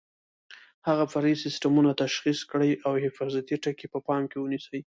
هغه فرعي سیسټمونه تشخیص کړئ او حفاظتي ټکي په پام کې ونیسئ.